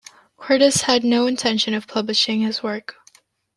Cordus had no intention of publishing his work.